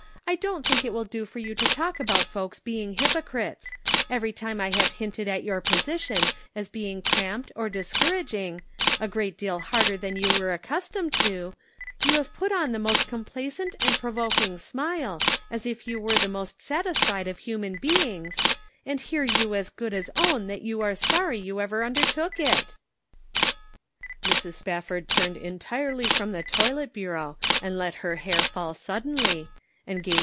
I don't think it will do for you to talk about folks being hypocrites. Every time I have hinted at your position as being cramped or discouraging, a great deal harder than you were accustomed to, you have put on the most complacent and provo'king smile, as if you were the most satis fied of human beings, and here you as good as own that you are sorry you ever undertook it" Mrs. Spafford turned entirely from the toilet bureau and let her hair fall suddenly, and gave 158 The Pocket Measure.